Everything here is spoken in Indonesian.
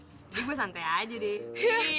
jadi gue santai aja deh